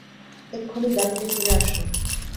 এক্ষুনি গাড়িতে ফিরে আসো।